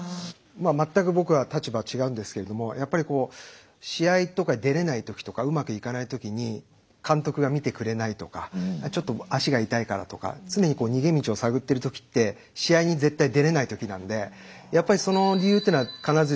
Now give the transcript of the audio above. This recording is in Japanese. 全く僕は立場が違うんですけれどもやっぱりこう試合とか出れない時とかうまくいかない時に監督が見てくれないとかちょっと足が痛いからとか常に逃げ道を探ってる時って試合に絶対出れない時なんでやっぱりその理由っていうのは必ず自分にあって。